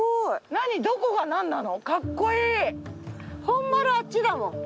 本丸あっちだもん。